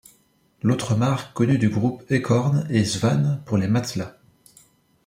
L'autre marque connue du groupe Ekornes est Svane pour les matelas.